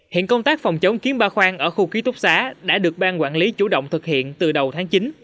hiện công tác phòng chống kiến ba khoang ở khu ký túc xá đã được ban quản lý chủ động thực hiện từ đầu tháng chín